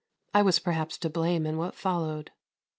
I was perhaps to blame in what followed.